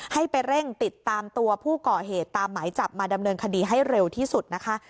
ให้ไปเร่งติดตามตัวผู้ก่อเหตุตามหมายจับมาดำเนินคดีให้เร็วที่สุดนะคะ